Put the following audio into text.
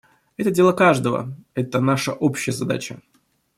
Это дело каждого; это наша общая задача.